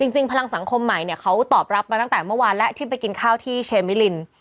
จริงพลังสังคมใหม่เนี่ยเขาตอบรับมาตั้งแต่เมื่อวานแล้วที่ไปกินข้าวที่เชมิลิน